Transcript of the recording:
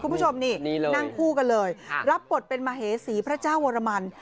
คุณผู้ชมนี่เลยนั่งคู่กันเลยรับบทเป็นมเหสีพระเจ้าวรมัน